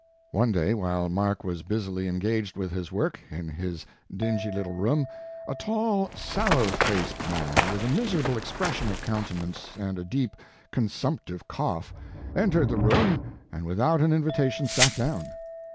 One day while Mark was busily en gaged with his work, in his dingy little room, a tall, sallow faced man, with a miserable expression of countenance, and a deep, consumptive cough, entered the room and without an invitation sat down.